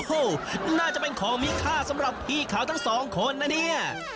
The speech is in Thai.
โอ้โหน่าจะเป็นของมีค่าสำหรับพี่เขาทั้งสองคนนะเนี่ย